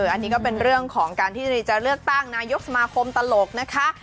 อันนี้ก็เป็นเรื่องของการที่จะเลือกตั้งนายกสมาคมตลกนะคะ